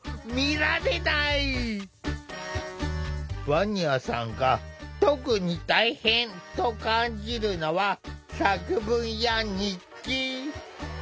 ヴァニアさんが「特に大変！」と感じるのは作文や日記。